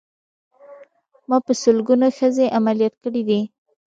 ما په سلګونو ښځې عمليات کړې دي.